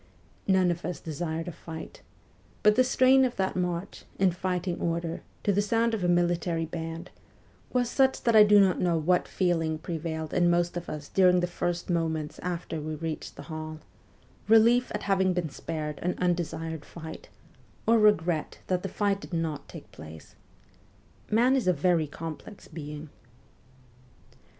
None of us desired a fight ; but the strain of that march, in fighting order, to the sound of a military band, was such that I do not know what feeling pre vailed in most of us during the first moments after we reached the hall relief at having been spared an undesired fight, or regret that the fight did not take place. Man is a very complex being.